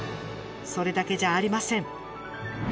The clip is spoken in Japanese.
それだけじゃありません。